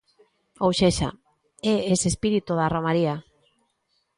Ou sexa, é ese espírito da romaría.